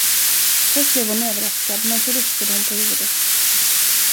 Först blev hon överraskad, men så ruskade hon på huvudet.